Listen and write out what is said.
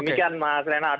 demikian mas renat